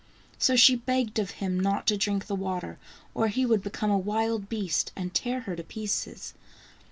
So she begged of him not to drink the water or he would become a wild beast and tear her to pieces.